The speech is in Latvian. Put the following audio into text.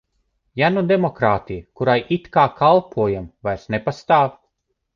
Ja nu demokrātija, kurai it kā kalpojam, vairs nepastāv?